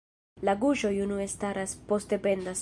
La guŝoj unue staras, poste pendas.